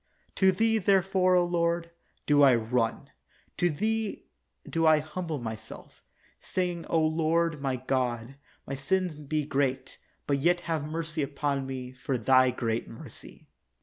To Thee, therefore, O Lord, do I run; to Thee do I humble myself, saying, O Lord my God, my sins be great, but yet have mency upon me for Thy great mercy.